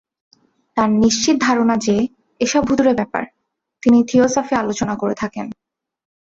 তাঁর নিশ্চিত ধারণা যে, এ-সব ভূতুড়ে ব্যাপার! তিনি থিওসফি আলোচনা করে থাকেন।